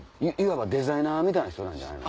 いわばデザイナーみたいな人。